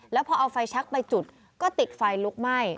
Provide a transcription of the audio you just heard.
แล้วพอเอาไฟแชคไปจุดก็ติดไฟลุกไหม้